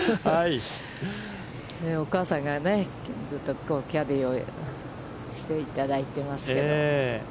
お母さんが、ずっとキャディーをしていただいてますけど。